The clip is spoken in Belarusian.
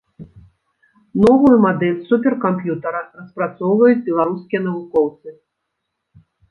Новую мадэль суперкамп'ютара распрацоўваюць беларускія навукоўцы.